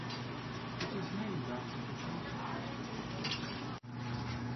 It is named after the Celtic festival Beltane.